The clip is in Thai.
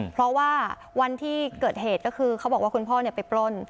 เพราะว่าวันที่เกิดเหตุก็คือเขาบอกว่าคุณพ่อไปปล้น